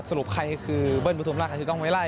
สรุปใครคือเบิ้ลบูธุมราคาคือกล้องไวไล่